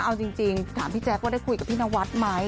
เอาจริงถามพี่แจ๊คว่าได้คุยกับพี่นวัดไหม